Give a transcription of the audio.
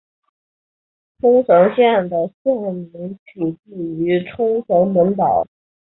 冲绳县的县名取自于冲绳本岛。